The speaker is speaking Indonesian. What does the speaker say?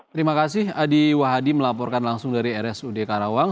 terima kasih adi wah hadi melaporkan langsung dari rsud karawang